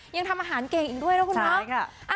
ยังทำอาหารเก่งอีกด้วยนะคุณเนาะ